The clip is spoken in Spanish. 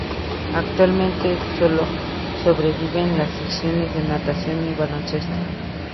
Actualmente sólo sobreviven las secciones de natación y baloncesto.